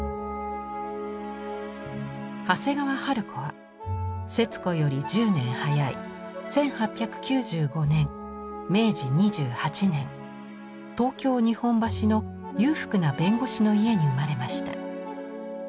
長谷川春子は節子より１０年早い１８９５年明治２８年東京・日本橋の裕福な弁護士の家に生まれました。